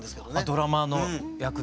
ドラマーの役で。